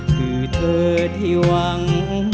คือเธอที่หวัง